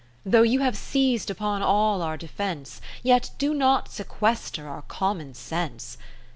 Though you have seiz'd upon all our defence, Yet do not sequester our common sense.